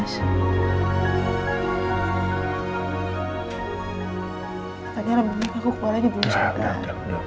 selalu kok mas